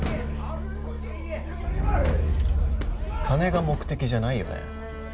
金が目的じゃないよね？